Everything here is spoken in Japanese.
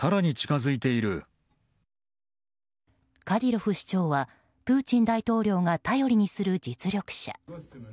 カディロフ首長はプーチン大統領が頼りにする実力者。